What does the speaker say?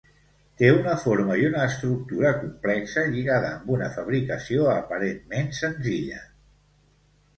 Té una forma i una estructura complexa lligada amb una fabricació aparentment senzilla.